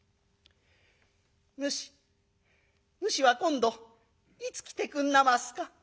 「ぬしぬしは今度いつ来てくんなますか」。